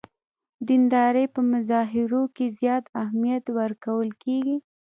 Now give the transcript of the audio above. دیندارۍ په مظاهرو کې زیات اهمیت ورکول کېږي.